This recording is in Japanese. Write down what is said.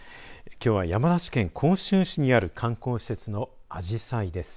きょうは山梨県甲州市にある観光施設のアジサイです。